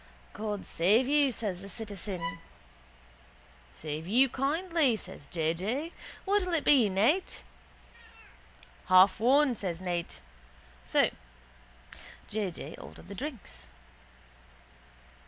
—God save you, says the citizen. —Save you kindly, says J. J. What'll it be, Ned? —Half one, says Ned. So J. J. ordered the drinks.